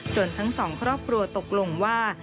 ทั้งสองครอบครัวตกลงว่า